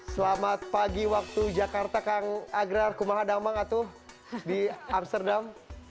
selamat pagi waktu jakarta kang agrar kumahadamangatuh di amsterdam